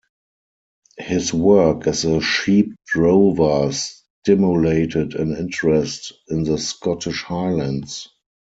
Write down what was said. His work as a sheep drover stimulated an interest in the Scottish Highlands.